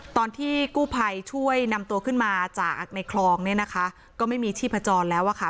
ตอนที่กู้ภัยช่วยนำตัวขึ้นมาจากในคลองเนี่ยนะคะก็ไม่มีชีพจรแล้วอะค่ะ